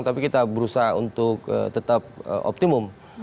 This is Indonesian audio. tapi kita berusaha untuk tetap optimum